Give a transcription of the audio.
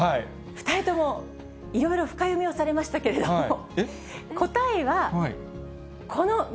２人ともいろいろ深読みをされましたけども、答えは、本当に？